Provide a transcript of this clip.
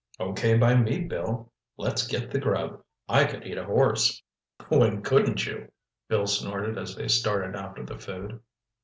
"Okay by me, Bill. Let's get the grub. I could eat a horse!" "When couldn't you?" Bill snorted as they started after the food.